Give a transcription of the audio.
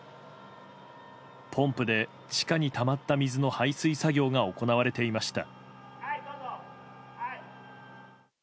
ポンプで、地下にたまった水の排水作業が行われていました。